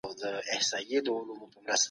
د هیوادونو ترمنځ د برښنا لیږد همکاري زیاتوي.